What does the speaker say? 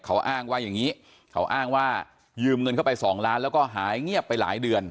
เขาอ้างว่าอย่างนี้เขาอ้างว่ายืมเงินเข้าไปสองล้านแล้วก็หายเงียบไปหลายเดือน